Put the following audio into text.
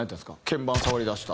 鍵盤触りだした。